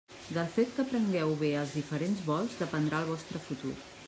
Del fet que aprengueu bé els diferents vols dependrà el vostre futur.